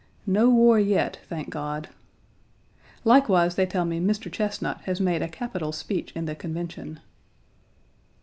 No war yet, thank God. Likewise they tell me Mr. Chesnut has made a capital speech in the Convention.